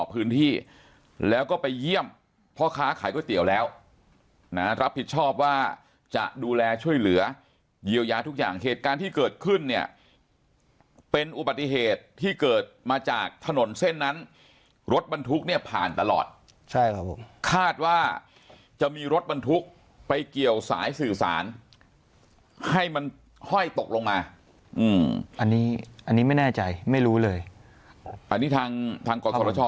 พื้นที่แล้วก็ไปเยี่ยมพ่อค้าขายก๋วยเตี๋ยวแล้วนะรับผิดชอบว่าจะดูแลช่วยเหลือเยียวยาทุกอย่างเหตุการณ์ที่เกิดขึ้นเนี่ยเป็นอุบัติเหตุที่เกิดมาจากถนนเส้นนั้นรถบรรทุกเนี่ยผ่านตลอดใช่ครับผมคาดว่าจะมีรถบรรทุกไปเกี่ยวสายสื่อสารให้มันห้อยตกลงมาอืมอันนี้อันนี้ไม่แน่ใจไม่รู้เลยอันนี้ทางทางกศช